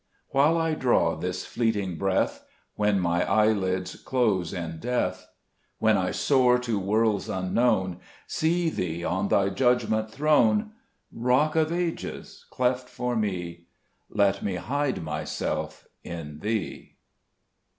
4 While I draw this fleeting breath, When my eyelids close in death, When I soar to worlds unknown, See Thee on Thy judgment throne, Rock of Ages, cleft for me, Let me hide myself in Thee.